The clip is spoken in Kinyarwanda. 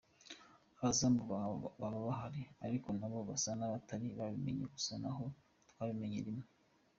abazamu baba bahari ariko nabo basa n’ abatari babimenye dusa n’ aho twabimenyeye rimwe.